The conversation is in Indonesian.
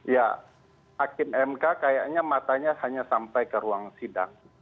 ya hakim mk kayaknya matanya hanya sampai ke ruang sidang